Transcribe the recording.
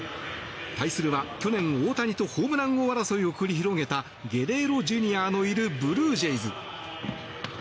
対するは去年、大谷とホームラン王争いを繰り広げたゲレーロＪｒ．のいるブルージェイズ。